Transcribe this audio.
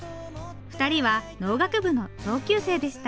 ２人は農学部の同級生でした。